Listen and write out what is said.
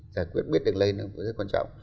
giải quyết biết đường lây nó cũng rất quan trọng